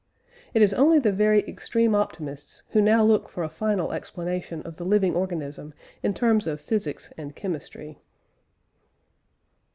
It is only the very extreme optimists who now look for a final explanation of the living organism in terms of physics and chemistry.